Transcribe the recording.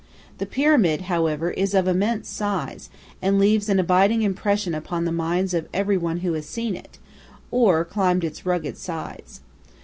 The pyramid, however, is of immense size, and leaves an abiding impression upon the minds of everyone who has seen it, or climbed its rugged sides.